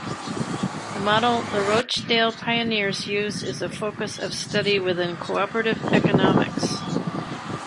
The model the Rochdale Pioneers used is a focus of study within co-operative economics.